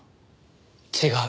違う。